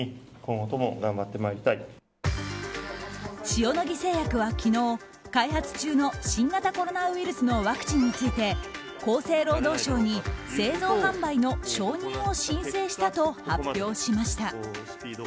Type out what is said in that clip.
塩野義製薬は昨日、開発中の新型コロナウイルスのワクチンについて厚生労働省に製造・販売の承認を申請したと発表しました。